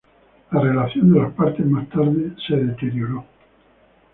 La relación de las partes más tarde se deterioró.